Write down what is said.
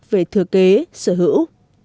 về thừa kế sở hữu